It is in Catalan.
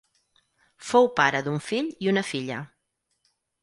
Fou pare d'un fill i una filla.